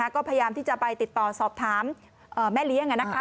ก็พยายามที่จะไปติดต่อสอบถามแม่เลี้ยง